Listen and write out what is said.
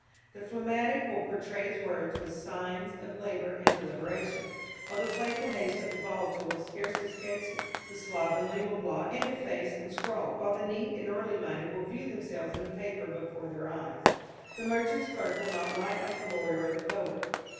"The phlegmatic will portray his words with signs of labour and deliberation, while the playful haste of the volatile will scarcely sketch them; the slovenly will blot and efface and scrawl, while the neat and orderly minded will view themselves in the paper before their eyes. The merchant's clerk will not write like the lawyer or the poet.